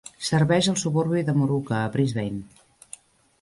Serveix al suburbi de Moorooka, a Brisbane.